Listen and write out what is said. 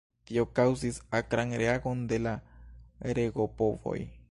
Tio kaŭzis akran reagon de la regopovoj.